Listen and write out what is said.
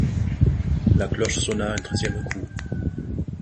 La cloche sonna un treizième coup.